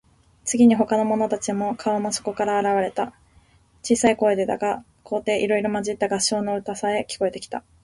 次に、ほかの者たちの顔もそこから現われた。小さい声でだが、高低いろいろまじった合唱の歌さえ、聞こえてきた。